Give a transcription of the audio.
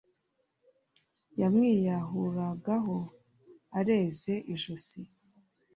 yamwiyahuragaho, areze ijosi